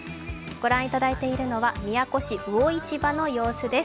ご覧いただいているのは宮古市魚市場の様子です。